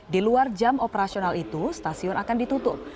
di luar jam operasional itu stasiun akan ditutup